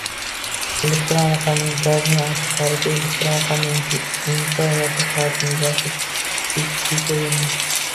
elektron raqamli imzoning ochiq kaliti elektron raqamli imzo yopiq kalitining egasiga tegishliligini